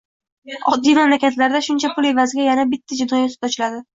Oddiy mamlakatlarda shuncha pul evaziga yana bitta jinoiy sud ochiladi